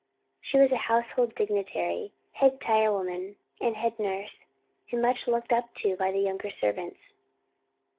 She was a household dignitary, head tire woman, and head nurse, and much looked up to by the younger servants.